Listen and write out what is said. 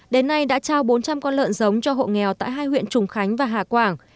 đến nay đã trao bốn trăm linh con lợn giống cho hộ nghèo tại hai huyện trùng khánh và hà quảng